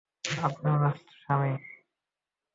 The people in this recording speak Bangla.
আপনি উনার স্বামী।